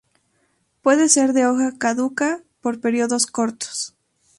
Puede ser de hoja caduca por períodos cortos.